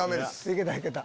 いけたいけた。